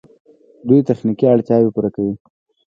دوی تخنیکي اړتیاوې پوره کوي.